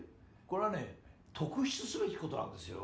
これはね特筆すべきことなんですよ。